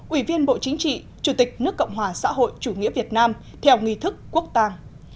ủy viên bộ chính trị chủ tịch nước cộng hòa xã hội chủ nghĩa việt nam theo nghi thức quốc tàng